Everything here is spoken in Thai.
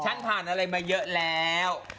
ฉันผ่านอะไรมาเยอะแล้ว